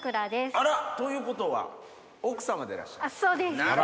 あら！ということは奥様でいらっしゃる？